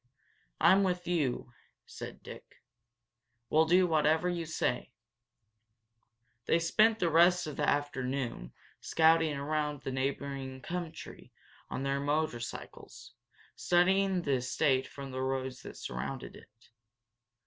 "I'm with you," said Dick. "We'll do whatever you say." They spent the rest of the afternoon scouting around the neighboring country on their motorcycles, studying the estate from the roads that surrounded it.